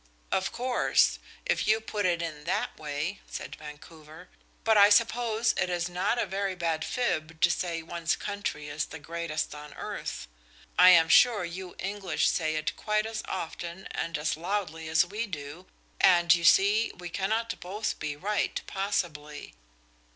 "Of course, if you put it in that way," said Vancouver. "But I suppose it is not a very bad fib to say one's country is the greatest on earth. I am sure you English say it quite as often and as loudly as we do, and, you see, we cannot both be right, possibly."